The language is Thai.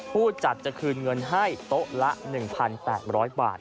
ผู้จัดจะคืนเงินให้โต๊ะละ๑๘๐๐บาท